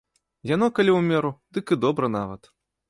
Яно, калі ў меру, дык і добра нават.